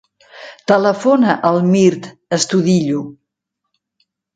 Telefona al Mirt Estudillo.